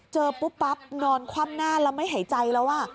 ปุ๊บปั๊บนอนคว่ำหน้าแล้วไม่หายใจแล้ว